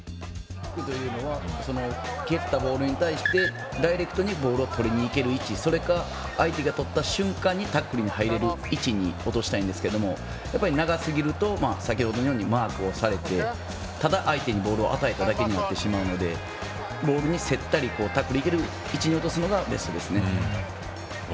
蹴ったボールに対してダイレクトにボールをとりにいける位置それか、相手がとった瞬間にタックルに入れる位置に落としたいんですけど長すぎると、先ほどのようにマークをされて、ただ相手にボールを与えただけになってしまうのでボールに競ったりタックルできる位置に落とすのがベストですね。